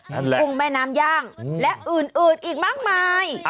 กุ้งแม่น้ำย่างและอื่นอีกมากมาย